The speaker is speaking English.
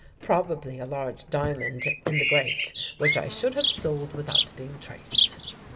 Probably a large diamond in the grate, which I should have sold without being traced."